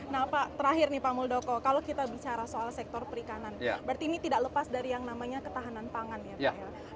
nah pak terakhir nih pak muldoko kalau kita bicara soal sektor perikanan berarti ini tidak lepas dari yang namanya ketahanan pangan ya pak ya